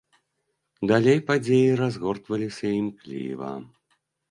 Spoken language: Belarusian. Далей падзеі разгортваліся імкліва.